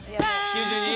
９２！